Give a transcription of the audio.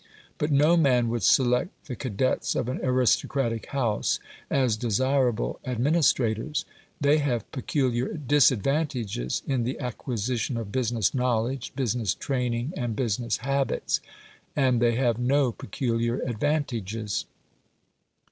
But no man would select the cadets of an aristocratic house as desirable administrators. They have peculiar disadvantages in the acquisition of business knowledge, business training, and business habits, and they have no peculiar advantages.